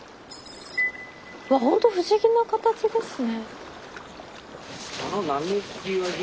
うわホント不思議な形ですね。